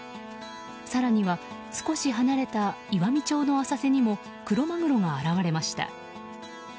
更には少し離れた岩美町の浅瀬にもクロマグロが現れました。